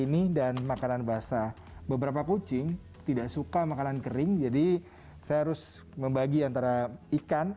ini dan makanan basah beberapa kucing tidak suka makanan kering jadi saya harus membagi antara ikan